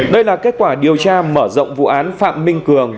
đây là kết quả điều tra mở rộng vụ án phạm minh cường